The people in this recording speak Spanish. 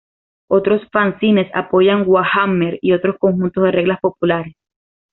Otros fanzines apoyan Warhammer y otros conjuntos de reglas populares.